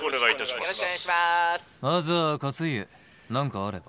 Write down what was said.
まずは勝家何かあれば。